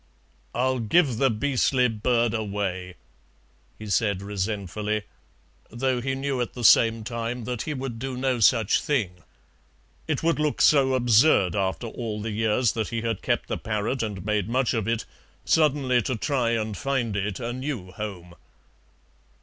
"I'll give the beastly bird away," he said resentfully; though he knew at the same time that he would do no such thing. It would look so absurd after all the years that he had kept the parrot and made much of it suddenly to try and find it a new home.